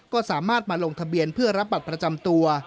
ก็สามารถมาลงทะเบียนเพื่อรับบัตรประจำตัว